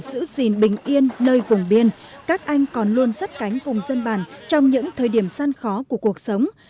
những người giữ gìn bình yên nơi vùng biên các anh còn luôn sắt cánh cùng dân bản trong những thời điểm săn khó của cuộc sống